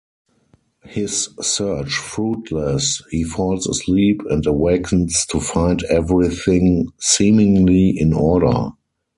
His search fruitless, he falls asleep and awakens to find everything seemingly in order.